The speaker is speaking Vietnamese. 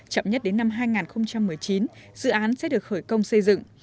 chậm nhất đến năm hai nghìn một mươi chín dự án sẽ được khởi công xây dựng